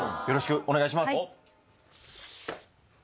よろしくお願いします。